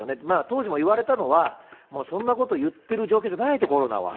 当時も言われたのは、もうそんなこと言ってる状況じゃないと、コロナは。